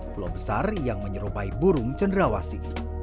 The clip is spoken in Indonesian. pulau besar yang menyerupai burung cenderawasi